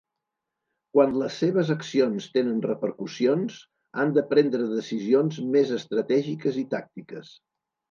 Quan les seves accions tenen repercussions, han de prendre decisions més estratègiques i tàctiques.